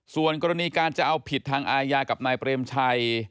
ส่วนกรณีการจะเอาผิดทางอาญากับนายเปรมชัย